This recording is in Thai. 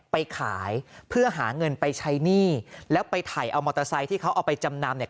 ไปขายเพื่อหาเงินไปใช้หนี้แล้วไปถ่ายเอามอเตอร์ไซค์ที่เขาเอาไปจำนำเนี่ย